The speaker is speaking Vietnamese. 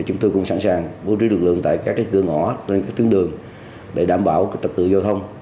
chúng tôi cũng sẵn sàng vô trí lực lượng tại các cái cửa ngõ trên các tiếng đường để đảm bảo trật tựa giao thông